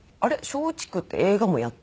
松竹って映画もやってる。